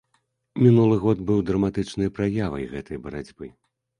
Мінулы год быў драматычнай праявай гэтай барацьбы.